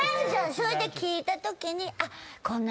それで聞いたときに。